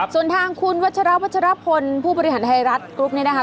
ส่วนทางคุณพูดจากวัชราวราชราบคลผู้บริหารไทยรัฐกลุ๊ปเนี่ยนะคะ